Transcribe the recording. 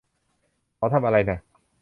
เขาทำอะไรน่ะ